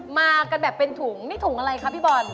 มากันแบบเป็นถุงนี่ถุงอะไรคะพี่บอล